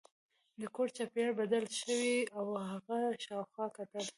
د کور چاپیریال بدل شوی و او هغه شاوخوا کتل